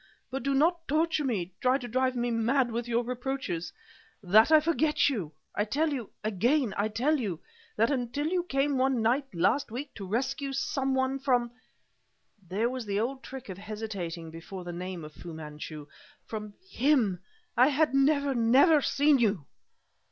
But do not torture me, try to drive me mad with your reproaches that I forget you! I tell you again I tell you that until you came one night, last week, to rescue some one from " There was the old trick of hesitating before the name of Fu Manchu "from him, I had never, never seen you!"